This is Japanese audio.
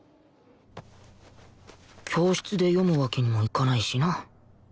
教室で読むわけにもいかないしな